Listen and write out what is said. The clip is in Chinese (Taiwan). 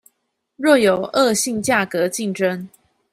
若有惡性價格競爭